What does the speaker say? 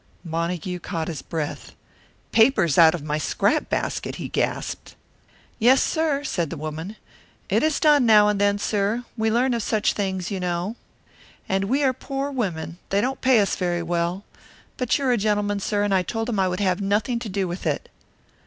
Montague caught his breath. "Papers out of my scrap basket!" he gasped. "Yes, sir," said the woman. "It is done now and then, sir, we learn of such things, you know. And we are poor women, they don't pay us very well. But you are a gentleman, sir, and I told him I would have nothing to do with it."